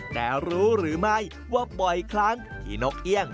แต่รู้หรือไม่ว่าบ่อยครั้งที่นกเอี่ยง